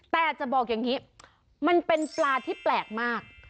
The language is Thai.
แต่จะบอกอย่างนี้มันเป็นปลาที่แปลกมาก